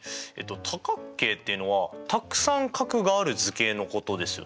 多角形っていうのはたくさん角がある図形のことですよね？